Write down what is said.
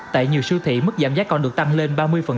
tại nhiều siêu thị mức giảm giá còn được tăng lên ba mươi